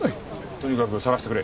とにかく捜してくれ。